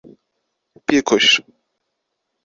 Picos